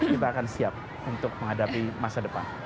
kita akan siap untuk menghadapi masa depan